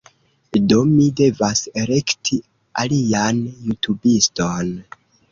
Do, mi devas elekti alian jutubiston